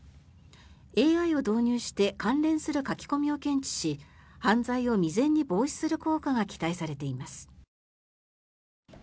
ＡＩを導入して関連する書き込みを検知し犯罪を未然に防止する効果が期待されています。